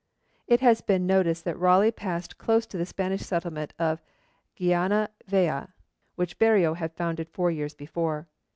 It has been noticed that Raleigh passed close to the Spanish settlement of Guayana Vieja, which Berreo had founded four years before.